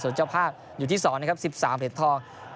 ส่วนเจ้าภาพอยู่ที่๒นะครับ๑๓เหรียญทอง